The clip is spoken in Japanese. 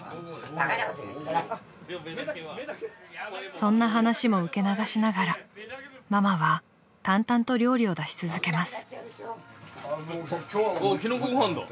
［そんな話も受け流しながらママは淡々と料理を出し続けます］